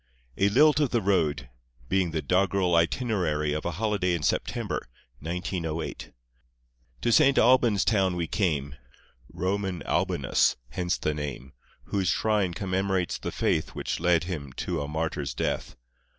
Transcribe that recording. A LILT OF THE ROAD Being the doggerel Itinerary of a Holiday in September, 1908 To St. Albans' town we came; Roman Albanus hence the name. Whose shrine commemorates the faith Which led him to a martyr's death.